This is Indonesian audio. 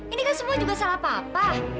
ini kan semua juga salah papa